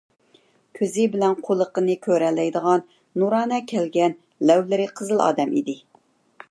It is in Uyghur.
كۆزى بىلەن قۇلىقىنى كۆرەلەيدىغان، نۇرانە كەلگەن، لەۋلىرى قىزىل ئادەم ئىدى.